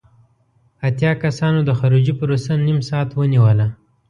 اتیا کسانو د خروجی پروسه نیم ساعت ونیوله.